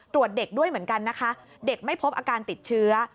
ตรวจเด็กด้วยเหมือนกันนะคะเด็กไม่พบอาการติดเชื้อ